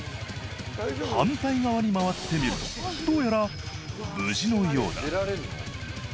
反対側に回ってみるとどうやら無事のようだ